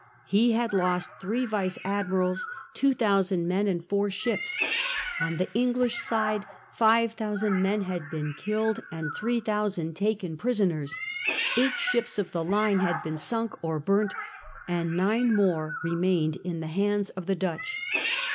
He had lost three vice admirals, 2,000 men, and four ships. On the Eng lish side 5,000 men had been killed and 3,000 taken prisoners ; eight ships of the line had been sunk or burnt, and nine more had remained in the hands of the Dutch.